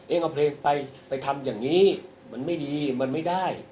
เอาเพลงไปไปทำอย่างนี้มันไม่ดีมันไม่ได้